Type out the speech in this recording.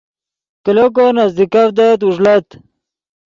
کلو کو نزیکڤدت اوݱڑت